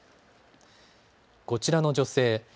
こちらの女性。